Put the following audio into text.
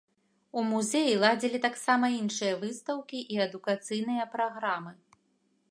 У музеі ладзілі таксама іншыя выстаўкі і адукацыйныя праграмы.